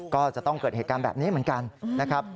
ก็จะต้องเกิดเหตุการณ์แบบนี้เหมือนกันนะครับ